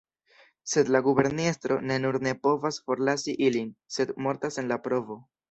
Sed la guberniestro ne nur ne povas forlasi ilin, sed mortas en la provo.